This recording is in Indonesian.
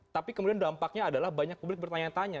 tapi kemudian dampaknya adalah banyak publik bertanya tanya